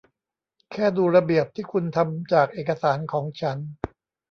แค่ดูระเบียบที่คุณทำจากเอกสารของฉัน